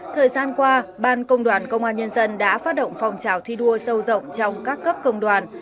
thời gian qua ban công đoàn công an nhân dân đã phát động phong trào thi đua sâu rộng trong các cấp công đoàn